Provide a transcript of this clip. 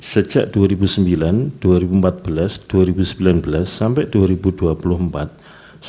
sejak dua ribu sembilan dua ribu empat belas dua ribu sembilan belas sampai dua ribu dua puluh empat